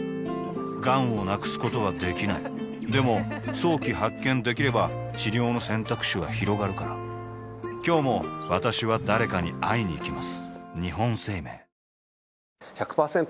がんを無くすことはできないでも早期発見できれば治療の選択肢はひろがるから今日も私は誰かに会いにいきます